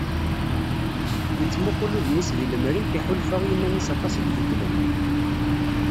Yettmuqul udem-is deg lemri, iḥulfa i yiman-is aṭas i ibeddlen.